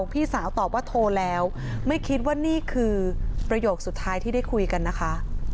พี่สาวตอบว่าโทรแล้วไม่คิดว่านี่คือประโยคสุดท้ายที่ได้คุยกันนะคะ